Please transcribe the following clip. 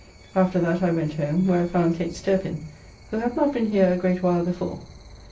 After that I went home, where I found Kate Sterpin who hath not been here a great while before.